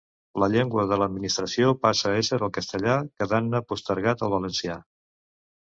La llengua de l'administració passà a esser el castellà, quedant-ne postergat el valencià.